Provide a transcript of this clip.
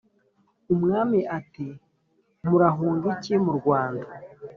umwami ati"murahunga iki mu rwanda?"